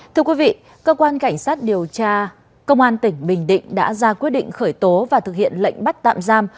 thưa quý vị cơ quan cảnh sát điều tra công an tỉnh bình định đã ra quyết định khởi tố và thực hiện lệnh bắt tạm giam